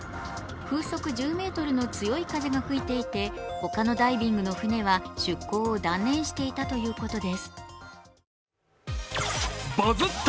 風速１０メートルの強い風が吹いていてほかのダイビングの船は出航を断念していたということです。